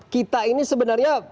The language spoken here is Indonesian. kita ini sebenarnya